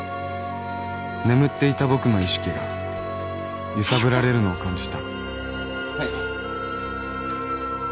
眠っていた僕の意識が揺さぶられるのを感じた